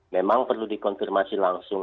memang perlu dikonfirmasi langsung